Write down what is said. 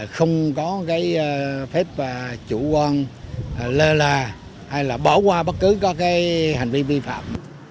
không có phép chủ quan lơ là hay bỏ qua bất cứ hành vi vi phạm